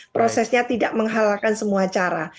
prosesnya tidak menghalalkan semua cara